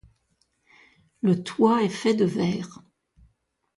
Le toit est fait de verre.